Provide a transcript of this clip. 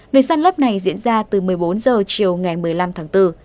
việc săn lấp này diễn ra từ một mươi bốn h chiều ngày một mươi năm tháng bốn